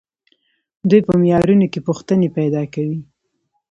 دوی په معیارونو کې پوښتنې پیدا کوي.